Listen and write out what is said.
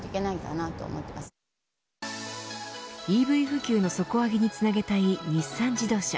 ＥＶ普及の底上げにつなげたい日産自動車。